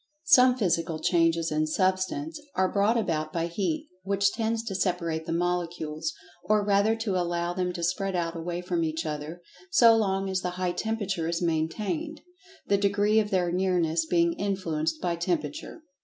Some Physical Changes in Substance are brought about by Heat, which tends to separate the molecules, or rather to allow them to spread out away from each other, so long as the high temperature is maintained, the degree of their nearness being influenced by temperature.